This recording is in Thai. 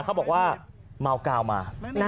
เขาบอกว่าเมากาวมา